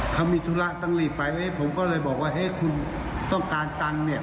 เขามีธุระต้องรีบไปผมก็เลยบอกว่าคุณต้องการตังค์เนี่ย